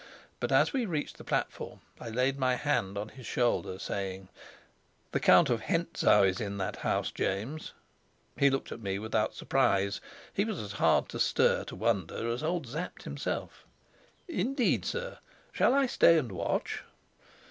But as we reached the platform, I laid my hand on his shoulder, saying: "The Count of Hentzau is in that house, James." He looked at me without surprise; he was as hard to stir to wonder as old Sapt himself. "Indeed, sir. Shall I stay and watch?"